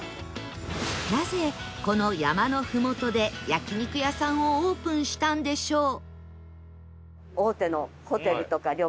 なぜこの山のふもとで焼肉屋さんをオープンしたんでしょう？